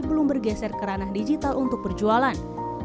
belum bergeser ke ranah digital untuk berjualan